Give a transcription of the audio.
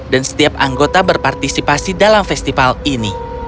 dan setiap anggota berpartisipasi dalam festival ini